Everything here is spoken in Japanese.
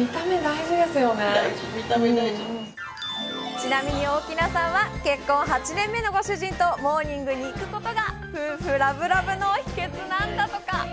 ちなみに大木奈さんは結婚８年目のご主人とモーニングに行くことが、夫婦ラブラブの秘けつなんだとか。